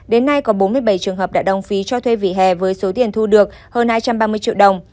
đến nay có bốn mươi bảy trường hợp đã đồng phí cho thuê vỉa hè với số tiền thu được hơn hai trăm ba mươi triệu đồng